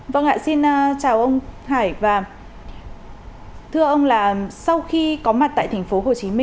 vâng ạ xin chào ông hải và thưa ông là sau khi có mặt tại tp hcm